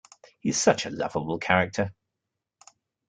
He's such a lovable character.